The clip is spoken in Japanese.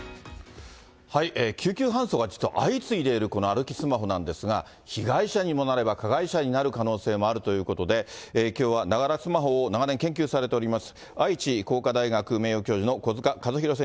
救急搬送が実は相次いでいるこの歩きスマホなんですが、被害者にもなれば加害者になる可能性もあるということで、きょうはながらスマホを長年研究されております